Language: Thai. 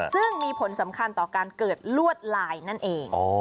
ซึ่งมีผลสำคัญต่อการเกิดลวดลายนั่นเอง